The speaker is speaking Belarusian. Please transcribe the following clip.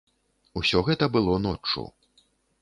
Усё гэта было ноччу.